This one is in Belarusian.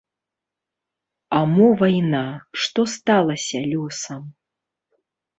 А мо вайна, што сталася лёсам?